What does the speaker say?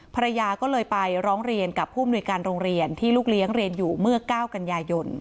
ภรรยาก็เลยไปร้องเรียนกับผู้มนุยการโรงเรียนที่ลูกเลี้ยงเรียนอยู่เมื่อ๙กันยายน